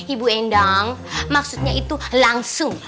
ibu endang maksudnya itu langsung